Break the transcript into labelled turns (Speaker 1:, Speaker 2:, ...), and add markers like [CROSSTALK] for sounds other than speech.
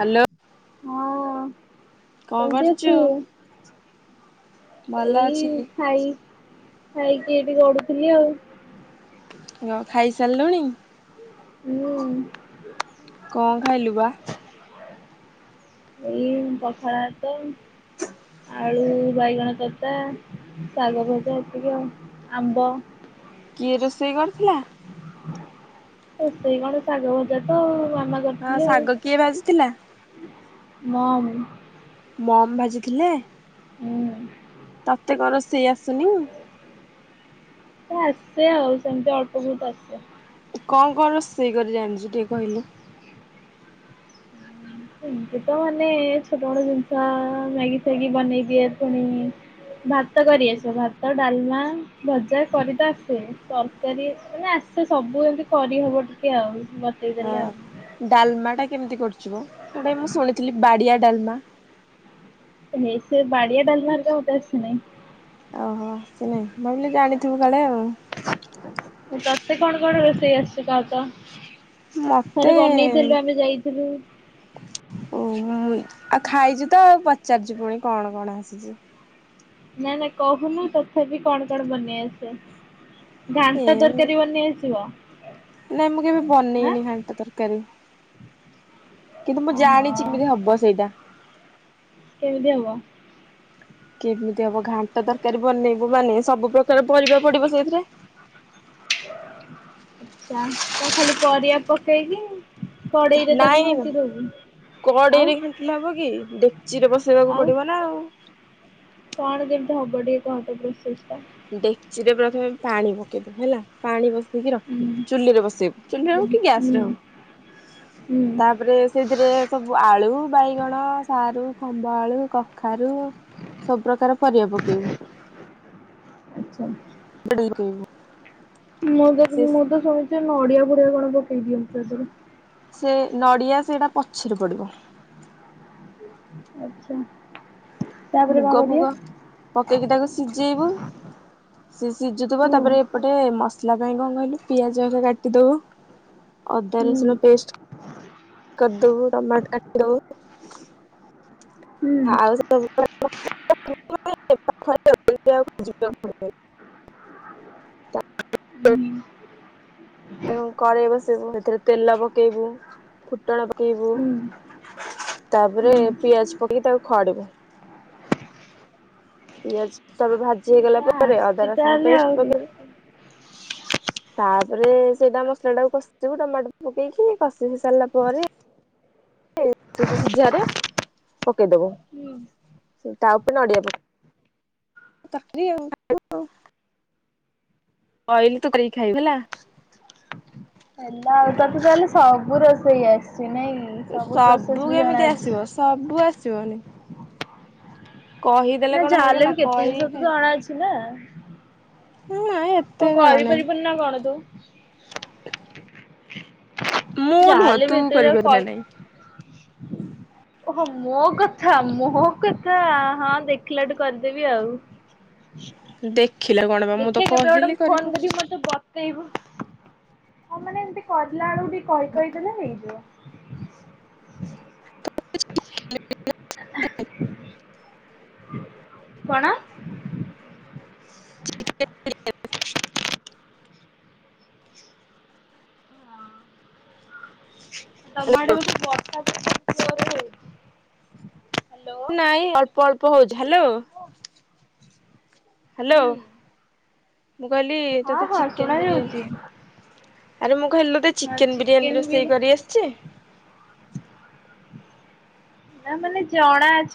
Speaker 1: Hello.
Speaker 2: ହଁ
Speaker 1: କଣ
Speaker 2: କେମିତି
Speaker 1: କରୁଛୁ?
Speaker 2: ଅଛୁ?
Speaker 1: ଭଲ
Speaker 2: ଏଇ
Speaker 1: ଅଛି।
Speaker 2: ଖାଇ ଖାଇକି ଏଇଠି ଗଡୁଥିଲି ଆଉ।
Speaker 1: ହ ଖାଇସାରିଲୁଣି?
Speaker 2: ହୁଁ।
Speaker 1: କଣ ଖାଇଲୁ ବା?
Speaker 2: ଏଇ ପଖାଳ ଭାତ। ଆଳୁ ବାଇଗଣ କସା ଶାଗ ଭଜା ଏତିକି ଆଉ ଆମ୍ବ।
Speaker 1: କିଏ ରୋଷେଇ କରିଥିଲା?
Speaker 2: ରୋସେଇ କଣ ଶାଗ ଭଜା ତ ଆମ
Speaker 1: ହଁ
Speaker 2: କରିଥିଲି ଆଉ
Speaker 1: ଶାଗ କିଏ ଭାଜିଥିଲା?
Speaker 2: ନା ମ
Speaker 1: ମମ୍ ଭାଜିଥିଲେ।
Speaker 2: ହୁଁ
Speaker 1: ତତେ କଁ ରୋଷେଇ ଆସୁନି?
Speaker 2: ତ ଆସେ ଆଉ ସେମତି ଅଳ୍ପ ବହୁତୁ ଆସେ।
Speaker 1: କଣ କଣ ରୋଷେଇ କରି ଜାଣିଛୁ ଟିକେ କହିଲୁ?
Speaker 2: ଏମତି ତ ମାନେ ଛୋଟ ମୋଟ ଜିନଷ ମ୍ୟାଗି ଫ୍ୟାଗି ବନେଇଦିଏ ପୁଣି ଭାତ କରି ଆସେ। ଭାତ, ଡାଲମା, ଭଜା କରି ତ ଆସେ ତରକାରୀ ମାନେ ଆସ୍ ସେ ସବୁ ଏମିତି କରିହବ ଟିକେ ଆଉ
Speaker 1: ଅ
Speaker 2: ବତେଇଦେଲେ ଆଉ।
Speaker 1: ଡାଲମା ଟା କେମିତି କରଚୁବ? ଗୋଟାଏ ମୁଁ ଶୁଣିଥିଲି ବାଡିଆ ଡାଲମା।
Speaker 2: ହେ ସେ ବାଡ଼ିଆ ଡଲମା ହେରିକା ମତେ ଆସେ ନାଇଁ।
Speaker 1: ଅହ ଶୁଣେ ଭାବିଲି ଜାଣିଥିବୁ କାଳେ ଆଉ।
Speaker 2: ତତେ କଣ କଣ ରୋଷେଇ ଆସିଛି କହ ତ?
Speaker 1: ମତେ
Speaker 2: ଥରେ ବନେଇଥେଲୁ ଆମେ ଯାଇଥିଲୁ।
Speaker 1: ଉଁ ହୁଁ ଆଉ ଖାଇଚୁ ତ ଆଉ ପଚାରୁଚୁ ପୁଣି କଣ କଣ ଆସିଚି।
Speaker 2: ନା ନା କହୁନୁ ତଥାପି କଣ କଣ ବନେଇ ଆସେ? ଘାଣ୍ଟ ତରକାରୀ ବନେଇ ଆସିବ?
Speaker 1: ନା ମୁଁ କେବେ
Speaker 2: ଆଁ
Speaker 1: ବନେଇନି ଘାଣ୍ଟ ତରକାରୀ। କିନ୍ତୁ ମୁଁ
Speaker 2: ଓହୋ
Speaker 1: ଜାଣିଚି କେମିତି ହବ ସେଇଟା।
Speaker 2: କେମିତି ହବ?
Speaker 1: କିମିତି ହବ ଘାଣ୍ଟ ତରକାରୀ ବନେଇବୁ ମାନେ ସବୁ ପ୍ରକାର ପରିବା ପଡିବ ସେଇଥିରେ।
Speaker 2: ଚା କଁ ଖାଲି ପରିବା ପକେଇଲି। କଡ଼େଇ ରେ ତାକୁ
Speaker 1: ନାଇଁ
Speaker 2: ଘାଣ୍ଟି ଦଉଚି।
Speaker 1: କଡେଇରେ ଘାଣ୍ଟିଲେ ହବ କି ଡେକ୍ଚି ରେ ବସେଇବାକୁ
Speaker 2: ଆଉ
Speaker 1: ପଡିବ ନା ଆଉ।
Speaker 2: କଣ କେମିତି ହବ ଟିକେ କହ ତ ପ୍ରୋସେସ୍ ଟା?
Speaker 1: ଡେକ୍ଚି ରେ ପ୍ରଥମେ ପାଣି ପକେଇଦବୁ ହେଲା ପାଣି ବ ନେଇକି
Speaker 2: ହୁଁ
Speaker 1: ରଖିବୁ ଚୁଲିରେ ବସେଇବୁ ଚୁଲିରେ
Speaker 2: ହୁଁ
Speaker 1: ହଉ କି
Speaker 2: ହୁଁ
Speaker 1: ଗ୍ୟାସ ରେ ହଉ
Speaker 2: ହୁଁ
Speaker 1: ତାପରେ ସେଇଥିରେ ସବୁ ଆଳୁ, ବାଇଗଣ, ସାରୁ, ଖମ୍ବ ଆଳୁ, କଖାରୁ ସବୁ ପ୍ରକାର ପରିବା ପକେଇବୁ।
Speaker 2: ଆଚ୍ଛା।
Speaker 1: [UNINTELLIGIBLE] ପକେଇବୁ।
Speaker 2: ମୁଁ ଦେଖ୍
Speaker 1: ସେ
Speaker 2: ମୁଁ ତ ଶୁଣିଛି ନଡ଼ିଆ କୋରା କଣ ପକେଇ ଦିଅନ୍ତି ତା ପରେ।
Speaker 1: ସେ ନଡ଼ିଆ ସେଇଟା ପଛେରେ ପଡିବ।
Speaker 2: ଆଚ୍ଛା। ତାପରେ କଣ
Speaker 1: ମୁଗ
Speaker 2: କରିବେ
Speaker 1: ଫୁଗ ପକେଇକି ତାକୁ ସିଜେଇବୁ। ସିଏ ସିଜିଥିବ
Speaker 2: ହୁଁ
Speaker 1: ତାପରେ ଗୋଟେ ମସଲା ପାଇଁ କଁ କହିଲୁ ପିଆଜ ଟେ କାଟିଦବୁ ଅଦା
Speaker 2: ହୁଁ
Speaker 1: ରସୁଣ ପେଷ୍ଟ୍ କରଦବୁ। ଟମାଟ୍ କାଟିଦବୁ।
Speaker 2: ହୁଁ
Speaker 1: ଆଉ [UNINTELLIGIBLE] [UNINTELLIGIBLE]
Speaker 2: ହୁଁ
Speaker 1: ଉଁ କରେଇ ବସେଇବୁ ସେଥେରେ ତେଲ ପକେଇବୁ ଫୁଟଣ ପ କେଇବୁ
Speaker 2: ହୁଁ
Speaker 1: ତାପରେ
Speaker 2: ହୁଁ
Speaker 1: ପିଆଜ ପକେଇକି ତାକୁ ଖଡିବୁ। ପିଆଜ୍ ତାପରେ ଭାଜି ହେଇଗଲା ପରେ ଅଦା
Speaker 2: ଆସିଛି
Speaker 1: ରସୁଣ
Speaker 2: ତାହେଲେ ଆଉ
Speaker 1: ପେଷ୍ଟ
Speaker 2: ହୁଁ
Speaker 1: ପକେଇବୁ। ତାପରେ ସେଇଟା ମସଲା ଟାକୁ କଷିଦେବୁ ଟମାଟୋ ପକେଇକି କଷିି ସାରିଲା ପରେ ସେ ସେହି ଯୋଉ ସିଝାରେ ପକେଇଦବୁ ତା ଉପରେ ନଡିଆ ପକେଇ ତରକାରୀ ଆଉ [UNINTELLIGIBLE] କହିଲି ତୁ କରିକି ଖାଇବୁ ହେଲା।
Speaker 2: ହେଲା ଆଉ ତତେ ତାହେଲେ ସବୁ ରୋଷେଇ ଆସିଚି ନାଇଁ କି?
Speaker 1: ଉ
Speaker 2: ପ୍ରୋସେସ
Speaker 1: ସବୁ
Speaker 2: ବି
Speaker 1: କେମିତି
Speaker 2: ଜଣାଅଛି।
Speaker 1: ଆସିବ ସବୁ ଆସିବନି। କହିଦେଲେ
Speaker 2: ନା
Speaker 1: କଣ
Speaker 2: ଯାହେଲେ
Speaker 1: ହେଇଗଲା
Speaker 2: ବି କେତେ ଜିନିଷ ତ
Speaker 1: କରିକି
Speaker 2: ଜଣା ଅଛି ନା?
Speaker 1: ଖାଏ ନାଇଁ ଏତେ
Speaker 2: କଅଁ
Speaker 1: ଜଣା ନାହିଁ।
Speaker 2: କରିପାରିବୁ ନା କଣ ତୁ?
Speaker 1: ମୁଁ
Speaker 2: ଯା
Speaker 1: ନୁହଁ
Speaker 2: ହେଲେ
Speaker 1: ତୁ
Speaker 2: ବି ଏତେଥର
Speaker 1: କରିପାରିବୁ ନା
Speaker 2: କହି
Speaker 1: ନାଇଁ
Speaker 2: ଓହୋ ମୋ କଥା ମୋ କଥା ହଁ ଦେଖିଲାଠୁ କରିଦେବି ଆଉ।
Speaker 1: ଦେଖିଲ କଣ ବା ମୁଁ ତ କହିଲି କରିବ
Speaker 2: ତେହୁବ ମାନେ ଏମିତି କରିଲା ବେଳକୁ ଟିକେ କହି କହିଦେଲେ ହେଇଯିବ। କଣ?
Speaker 1: [UNINTELLIGIBLE]
Speaker 2: ତମ ହାଡେ ବୋଧେ ବର୍ଷା ଜୋରେ ହେଇନି ହାଲୋ।
Speaker 1: ନାଇଁ ଅଳ୍ପ ଅଳ୍ପ ହଉଛି ହାଲୋ।
Speaker 2: ଓ।
Speaker 1: ହାଲୋ ମୁଁ କହିଲି
Speaker 2: ହଁ
Speaker 1: ତତେ
Speaker 2: ହଁ
Speaker 1: ଚିକେନ୍
Speaker 2: ଶୁଣା ଯାଉଛି।
Speaker 1: ବିରିୟାନୀ ଆରେ ମୁଁ କହିଲି ତତେ
Speaker 2: ହଁ
Speaker 1: ଚିକେନ୍ ବିରିୟାନୀ
Speaker 2: ଚିକେନ ବିରି
Speaker 1: ରୋଷେଇ କରି ଆସିଛି?
Speaker 2: ନା ମାନେ ଜଣା ଅଛି।